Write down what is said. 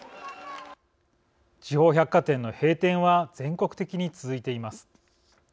地方百貨店の閉店は全国的に続いています。